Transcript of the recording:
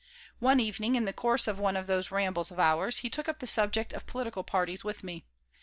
One evening, in the course of one of those rambles of ours, he took up the subject of political parties with me.